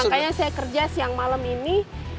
makanya saya kerja siang malam ini